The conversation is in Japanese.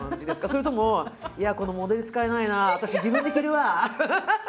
それとも「このモデル使えないな私自分で着るわ」。